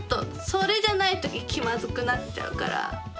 それじゃないと気まずくなっちゃうから。